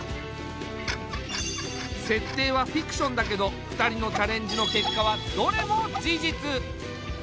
設定はフィクションだけど２人のチャレンジの結果はどれも事実。